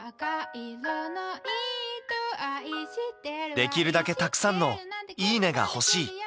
できるだけたくさんの「いいね！」が欲しい。